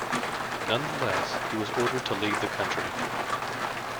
Nonetheless he was ordered to leave the country.